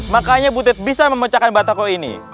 makanya butet bisa memecahkan batako ini